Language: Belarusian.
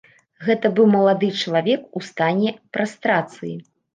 Гэта быў малады чалавек у стане прастрацыі.